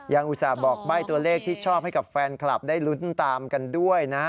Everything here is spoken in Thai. อุตส่าห์บอกใบ้ตัวเลขที่ชอบให้กับแฟนคลับได้ลุ้นตามกันด้วยนะฮะ